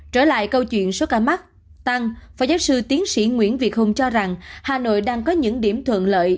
trở lại câu chuyện số ca mắc tăng phó giáo sư tiến sĩ nguyễn việt hùng cho rằng hà nội đang có những điểm thuận lợi